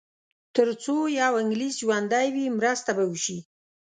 تر څو یو انګلیس ژوندی وي مرسته به وشي.